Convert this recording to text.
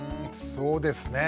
そうですね。